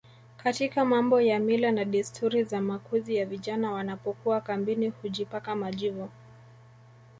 katika mambo ya mila na desturi za makuzi ya vijana Wanapokuwa kambini hujipaka majivu